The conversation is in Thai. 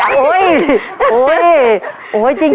โอ้ยโอ้ยโอ๊ยจริงนะ